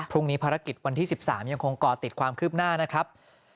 ภารกิจวันที่๑๓ยังคงก่อติดความคืบหน้านะครับ